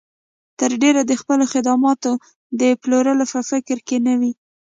تر ډېره د خپلو خدماتو د پلور په فکر کې نه وي.